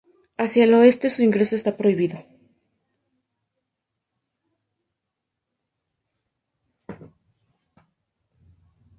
Hacia el oeste, su ingreso está prohibido.